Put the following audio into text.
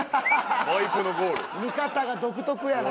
見方が独特やな。